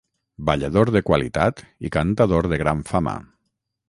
Ballador de qualitat i cantador de gran fama.